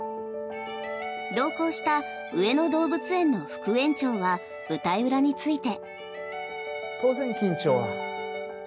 同行した上野動物園の副園長は舞台裏について。